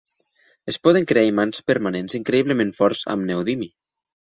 Es poden crear imants permanents increïblement forts amb neodimi.